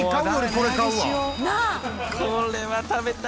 これは食べたい。